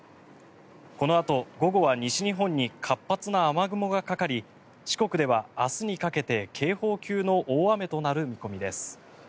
このあと午後は西日本に活発な雨雲がかかり四国では明日にかけて警報級の大雨となる見込みです。